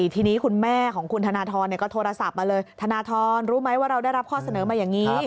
ทีนี้คุณแม่ของคุณธนทรก็โทรศัพท์มาเลยธนทรรู้ไหมว่าเราได้รับข้อเสนอมาอย่างนี้